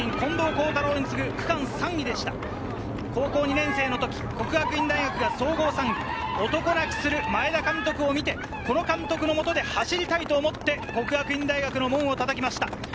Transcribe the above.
高校２年生の時、國學院大學が総合３位、男泣きする前田監督を見て、この監督の下で走りたいと思って國學院大學の門を叩きました。